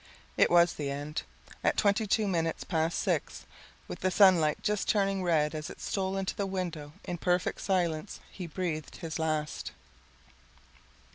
It was the end. At twenty two minutes past 6, with the sunlight just turning red as it stole into the window in perfect silence he breathed his last.